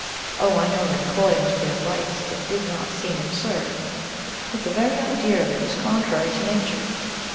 Oh, I know that according to their lights it did not seem absurd, but the very idea of it is contrary to nature.